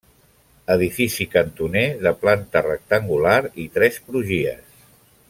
Edifici cantoner de planta rectangular i tres crugies.